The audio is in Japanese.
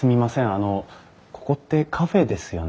あのここってカフェですよね？